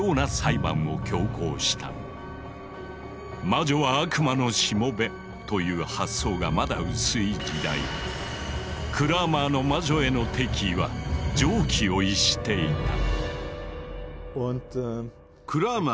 魔女は悪魔のしもべという発想がまだ薄い時代クラーマーの魔女への敵意は常軌を逸していた。